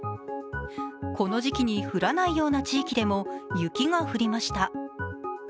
この時期に降らないような地域でも雪が降りました。